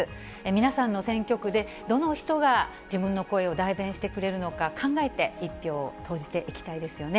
皆さんの選挙区でどの人が自分の声を代弁してくれるのか、考えて一票を投じていきたいですよね。